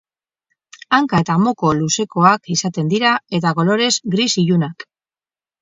Hanka eta moko luzekoak izaten dira, eta kolorez gris ilunak.